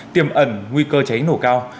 tiềm ẩn nguy cơ cháy nổ cao